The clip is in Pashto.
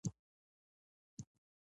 د امیدوارۍ د کمخونی لپاره اوسپنه وخورئ